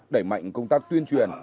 đẩy mạnh công tác tuyên truyền